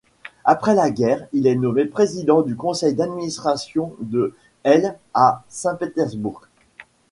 Après la guerre, il est nommé président du conseil d'administration de l' à Saint-Pétersbourg.